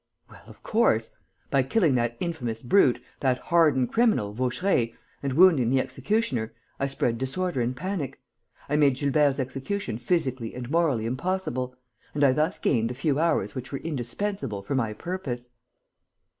"Well, of course. By killing that infamous brute, that hardened criminal, Vaucheray, and wounding the executioner, I spread disorder and panic; I made Gilbert's execution physically and morally impossible; and I thus gained the few hours which were indispensable for my purpose."